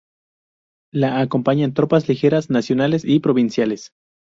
La acompañan tropas ligeras nacionales y provinciales.